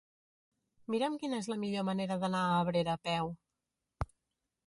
Mira'm quina és la millor manera d'anar a Abrera a peu.